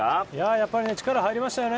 やっぱり力が入りましたよね。